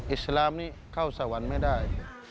อิสลามนี้เข้าสวรรค์ไม่ได้